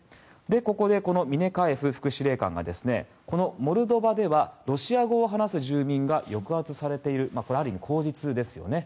ここでこのミネカエフ副司令官がこのモルドバではロシア語を話す住民が抑圧されているある意味、口実ですよね。